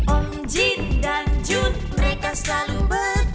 om jin dan jun mereka selalu ber